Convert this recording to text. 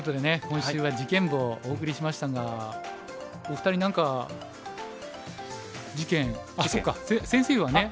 今週は事件簿をお送りしましたがお二人何か事件あっそっか先生はね。